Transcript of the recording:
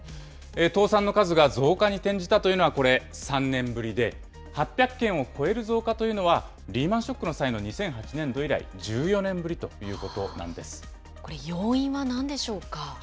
倒産の数が増加に転じたというのはこれ、３年ぶりで、８００件を超える増加というのは、リーマンショックの際の２００８年度以来、これ、要因はなんでしょうか。